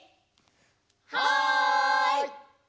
はい！